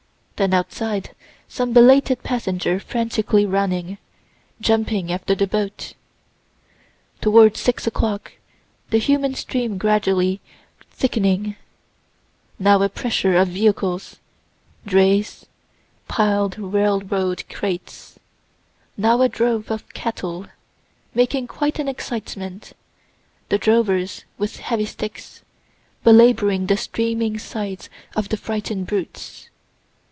Then outside some belated passenger frantically running, jumping after the boat. Towards six o' clock the human stream gradually thickening now a pressure of vehicles, drays, piled railroad crates now a drove of cattle, making quite an excitement, the drovers with heavy sticks, belaboring the steaming sides of the frighten'd brutes.